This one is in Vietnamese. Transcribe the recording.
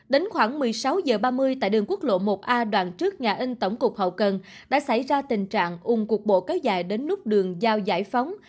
đến khoảng một mươi sáu h ba mươi tại đường quốc lộ một a đoàn trước nga ân tổng cục hậu cần đã xảy ra tình trạng ủng cục bộ cao dài đến nút đường giao giải phóng